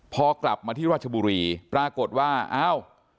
พอกลับมาที่ราชบุรีปรากฏว่าอ้าว